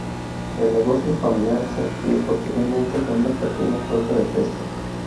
El negocio familiar se amplió posteriormente con una pequeña flota de pesca.